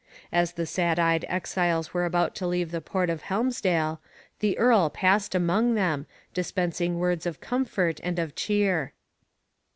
As the sad eyed exiles were about to leave the port of Helmsdale, the earl passed among them, dispensing words of comfort and of cheer.